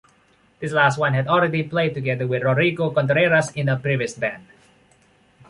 This last one had already played together with Rodrigo Contreras in a previous band.